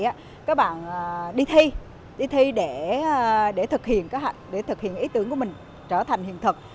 thì các bạn đi thi để thực hiện ý tưởng của mình trở thành hiện thực